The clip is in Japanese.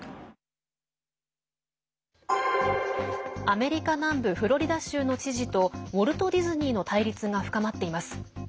アメリカ南部フロリダ州の知事とウォルト・ディズニーの対立が深まっています。